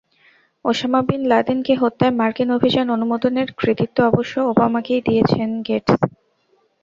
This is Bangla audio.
ওসামা বিন লাদেনকে হত্যায় মার্কিন অভিযান অনুমোদনের কৃতিত্ব অবশ্য ওবামাকেই দিয়েছেন গেটস।